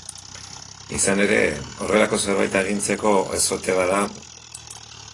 Izan ere, horrelako zerbait agintzeko, ez ote bada...